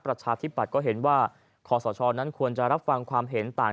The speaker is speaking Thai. ประชาธิปัตย์ก็เห็นว่าคอสชนั้นควรจะรับฟังความเห็นต่าง